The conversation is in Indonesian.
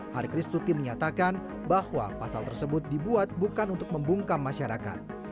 harikristuti menyatakan bahwa pasal tersebut dibuat bukan untuk membungkam masyarakat